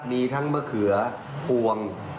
มีทั้งมะเขือพวง